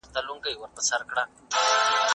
زه اوږده وخت د سبا لپاره د يادښتونه بشپړوم..